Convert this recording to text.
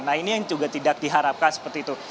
nah ini yang juga tidak diharapkan seperti itu